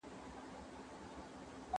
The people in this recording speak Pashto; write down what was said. زهر